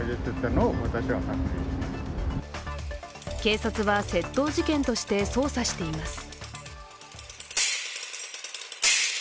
警察は窃盗事件として捜査しています。